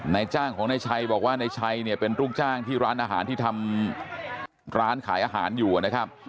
นายจ้างของนายชัยบอกว่านายชัยเนี่ยเป็นลูกจ้างที่ร้านอาหารที่ทำร้านขายอาหารอยู่นะครับ